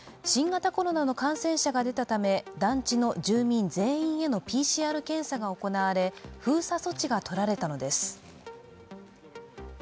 新型コロナの感染者が出たため団地の住人全員へのＰＣＲ検査が行われ封鎖措置が取られたのです。